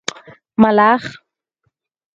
🦗 ملخ